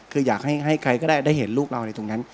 คืออยากให้ใครก็ได้ได้เห็นลูกเราในตรงนั้น